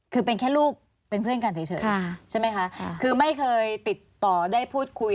คือเป็นแค่ลูกเป็นเพื่อนกันเฉยใช่ไหมคะคือไม่เคยติดต่อได้พูดคุย